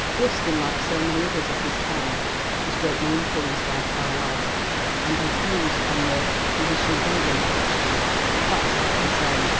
Ruskin, like so many others of his time, was greatly influenced by Carlyle, and his views on the 'condition of England' question were practically the same.